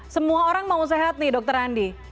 semua orang mau sehat nih dokter andi